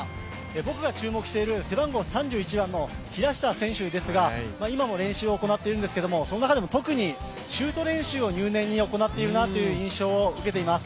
僕が注目している背番号３１番の平下選手ですが今も練習を行っているんですがその中でも特にシュート練習を入念に行っているなという印象を受けています。